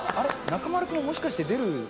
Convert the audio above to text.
中丸君もしかして出る？